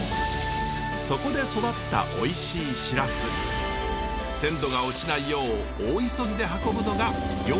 そこで育ったおいしいシラス鮮度が落ちないよう大急ぎで運ぶのが漁師のこだわり。